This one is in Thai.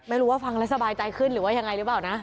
ไม่รู้ว่าฟังแล้วสบายใจขึ้นหรือว่ายังไงหรือเปล่านะ